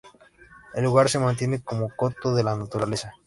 El lugar se mantiene como coto de la naturaleza.